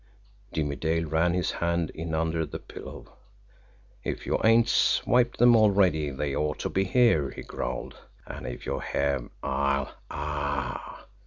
Jimmie Dale ran his hand in under the pillow. "If you ain't swiped them already they ought to be here!" he growled; "and if you have I'll ah!"